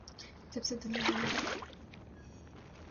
جب سے دنیا بنی ہے۔